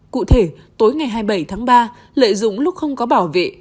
cụ thể tối ngày hai mươi bảy tháng ba lợi dụng lúc không có bảo vệ